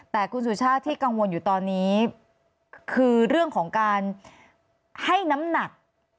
แต่คุณสุชาติที่กังวลอยู่ตอนนี้คือเรื่องของการให้น้ำหนัก